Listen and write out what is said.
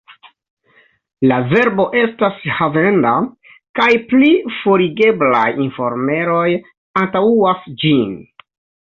La verbo estas havenda, kaj pli forigeblaj informeroj antaŭas ĝin.